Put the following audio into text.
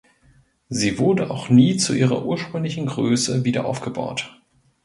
Sie wurde auch nie zu ihrer ursprünglichen Größe wiederaufgebaut.